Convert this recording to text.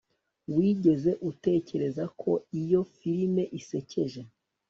Wigeze utekereza ko iyo firime isekeje